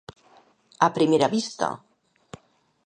A primera vista.